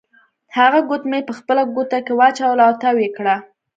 هغه ګوتمۍ په خپله ګوته کې واچوله او تاو یې کړه.